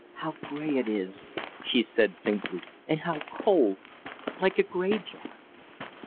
"How gray it is!" she said, faintly. "And how cold! Like a graveyard."